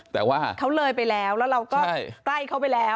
แต่ว่าเขาเลยไปแล้วแล้วเราก็ใกล้เขาไปแล้ว